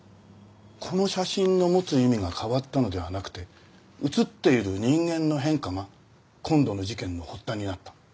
この写真の持つ意味が変わったのではなくて写っている人間の変化が今度の事件の発端になった。